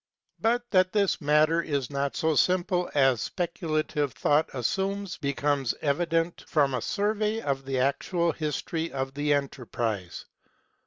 But that this matter is not so simple as Speculative Thought assumes becomes evi dent from a survey of the actual history of the enterprise.